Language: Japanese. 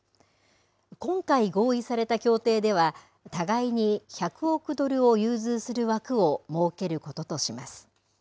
今回、合意された協定では互いに１００億ドルを融通する枠を設けることとします。